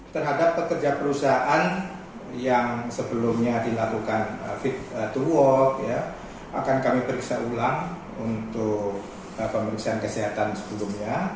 terhadap pekerja perusahaan yang sebelumnya dilakukan fit to work akan kami periksa ulang untuk pemeriksaan kesehatan sebelumnya